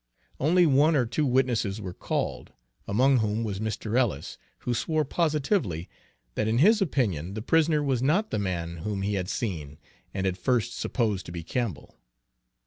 Only one or two witnesses were called, among whom was Mr. Ellis, who swore positively that in his opinion the prisoner was not the man whom he had seen and at first supposed to be Campbell.